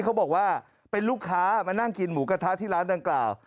เขาบอกว่าเป็นลูกค้ามานั่งกินหมูกระทะที่ร้านดังกล่าว